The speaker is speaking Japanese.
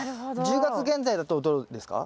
１０月現在だとどうですか？